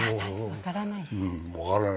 わからない。